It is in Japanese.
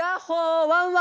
ワンワーン！